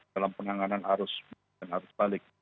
dalam penanganan arus balik